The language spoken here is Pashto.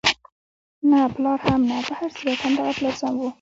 نه پلار هم نه، په هر صورت همدغه پلار سم وو.